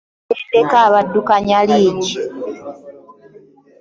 Ani atendeka abaddukanya liigi?